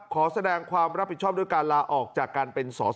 ขอแสดงความรับผิดชอบด้วยการลาออกจากการเป็นสอสอ